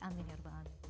amin ya rabbah